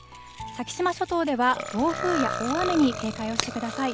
先島諸島では暴風や大雨に警戒をしてください。